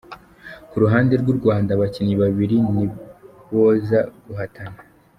Ku ruhande rw’u Rwanda, abakinnyi babiri ni boza guhatana.